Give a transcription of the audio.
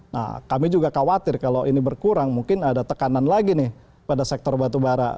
nah kami juga khawatir kalau ini berkurang mungkin ada tekanan lagi nih pada sektor batubara